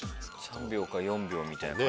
３秒か４秒みたいな感じ。